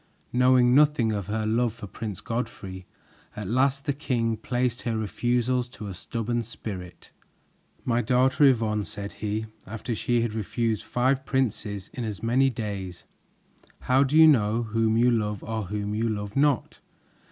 Knowing nothing of her love for Prince Godfrey, at last the king placed her refusals to a stubborn spirit. "My daughter, Yvonne," said he, after she had refused five princes in as many days, "how do you know whom you love or whom you love not?